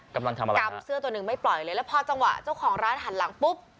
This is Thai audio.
กำลังทำอะไรกำเสื้อตัวหนึ่งไม่ปล่อยเลยแล้วพอจังหวะเจ้าของร้านหันหลังปุ๊บ